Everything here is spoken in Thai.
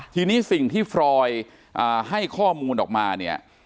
ทีนี้สิ่งที่ฟรอยให้ข้อมูลออกมาเนี่ย